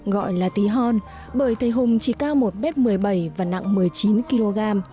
gọi là tí hon bởi thầy hùng chỉ cao một m một mươi bảy và nặng một mươi chín kg